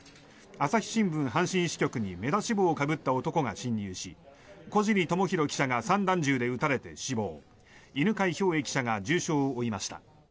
朝日新聞阪神支局に目出し帽をかぶった男が侵入し小尻知博記者が散弾銃で撃たれて死亡犬飼兵衛記者が重傷を負いました。